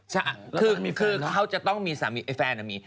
ใช่คือเขาจะต้องมีสามีไอ้แฟนมี